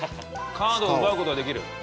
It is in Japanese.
カードを奪うことができる。